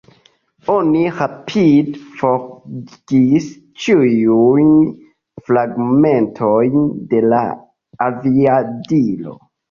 Oni rapide forigis ĉiujn fragmentojn de la aviadilo.